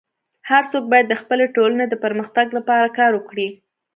هر څوک باید د خپلي ټولني د پرمختګ لپاره کار وکړي.